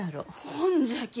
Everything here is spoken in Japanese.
ほんじゃき